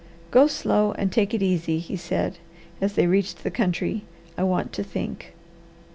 "Go slow and take it easy," he said as they reached the country. "I want to think."